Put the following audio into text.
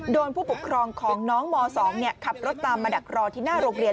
ผู้ปกครองของน้องม๒ขับรถตามมาดักรอที่หน้าโรงเรียน